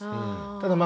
ただまあ